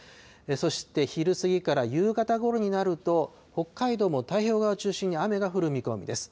そして、昼過ぎから夕方ごろになると、北海道も太平洋側を中心に、雨が降る見込みです。